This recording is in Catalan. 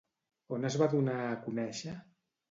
On es va donar a conèixer?